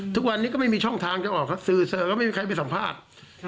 ทุกวันนี้ก็ไม่มีช่องทางจะออกครับสื่อสื่อก็ไม่มีใครไปสัมภาษณ์